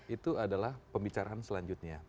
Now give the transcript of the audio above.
itu adalah pembicaraan selanjutnya